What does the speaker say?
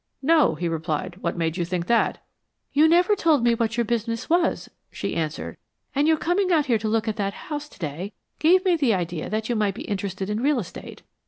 "No," he replied. "What made you think that?" "You never told me what your business was," she answered, "and your coming out here to look at that house today gave me the idea that you might be interested in real estate."